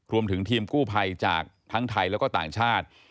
รวมถึงทีมกู้ภัยจากทั้งไทยแล้วก็ต่างชาติ